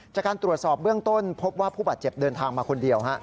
จากการตรวจสอบเบื้องต้นพบว่าผู้บาดเจ็บเดินทางมาคนเดียว